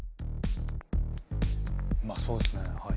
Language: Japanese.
まあそうですねはい。